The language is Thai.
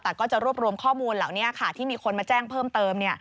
แต่ก็จะรวบรวมข้อมูลเหล่านี้ค่ะที่มีคนมาแจ้งเพิ่มเติม